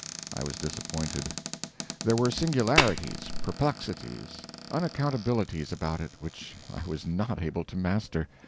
I was disappointed. There were singularities, perplexities, unaccountabilities about it which I was not able to master.